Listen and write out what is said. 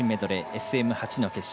ＳＭ８の決勝。